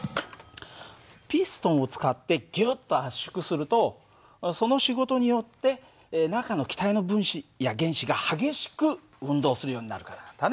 ピストンを使ってギュッと圧縮するとその仕事によって中の気体の分子や原子が激しく運動するようになるからなんだね。